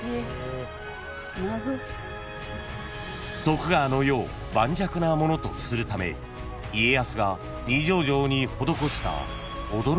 ［徳川の世を盤石なものとするため家康が二条城に施した］